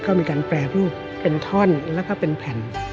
ก็มีการแปรรูปเป็นท่อนแล้วก็เป็นแผ่น